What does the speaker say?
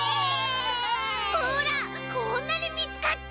ほらこんなにみつかった。